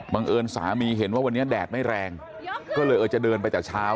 เอิญสามีเห็นว่าวันนี้แดดไม่แรงก็เลยเออจะเดินไปแต่เช้า